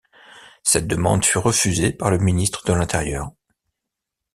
Cette demande fut refusée par le Ministre de l'intérieur.